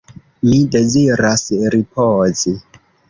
Mi deziras ripozi.